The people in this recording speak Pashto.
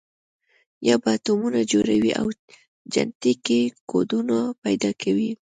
یا به اتمونه جوړوي او جنټیکي کوډونه پیدا کوي.